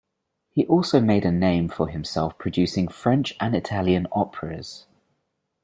He also made a name for himself producing French and Italian operas.